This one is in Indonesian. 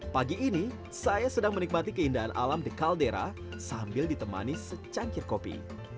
pagi ini saya sedang menikmati keindahan alam di kaldera sambil ditemani secangkir kopi